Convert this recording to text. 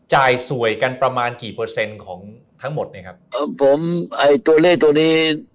จ่ายสวยกันประมาณกี่เปอร์เซ็นต์ของทั้งหมดเนี่ยครับผมไอ้ตัวเลขตัวนี้